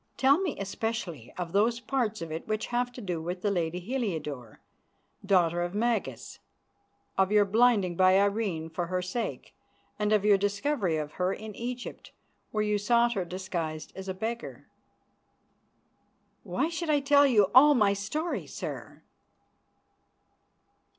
Tell me especially of those parts of it which have to do with the lady Heliodore, daughter of Magas, of your blinding by Irene for her sake, and of your discovery of her in Egypt, where you sought her disguised as a beggar." "Why should I tell you all my story, sir?"